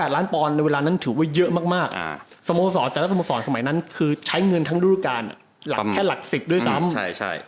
ล้านปอนด์ในเวลานั้นถือว่าเยอะมากสโมสรแต่ละสโมสรสมัยนั้นคือใช้เงินทั้งรูปการณ์หลักแค่หลัก๑๐ด้วยซ้ำ